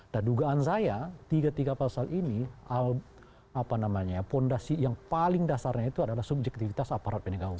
dan dugaan saya tiga tiga pasal ini apa namanya ya fondasi yang paling dasarnya itu adalah subjektivitas aparat penegakan hukum